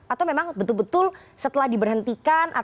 atau memang betul betul setelah diberhentikan